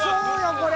これ。